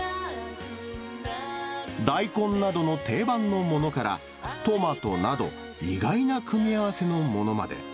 大根などの定番のものから、トマトなど、意外な組み合わせのものまで。